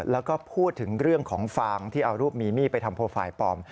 แล้วก็พูดถึงเรื่องของฟางที่เอารูปมีมี่ไปทำโปรไฟล์ปลอม